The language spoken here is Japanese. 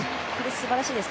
すばらしいです。